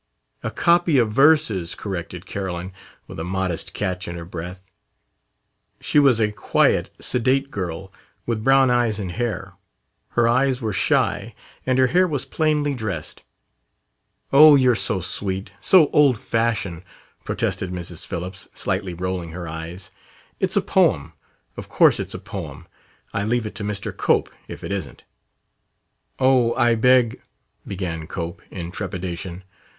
"A copy of verses," corrected Carolyn, with a modest catch in her breath. She was a quiet, sedate girl, with brown eyes and hair. Her eyes were shy, and her hair was plainly dressed. "Oh, you're so sweet, so old fashioned!" protested Mrs. Phillips, slightly rolling her eyes. "It's a poem, of course it's a poem. I leave it to Mr. Cope, if it isn't!" "Oh, I beg " began Cope, in trepidation.